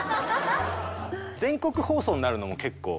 全国放送になるのも結構。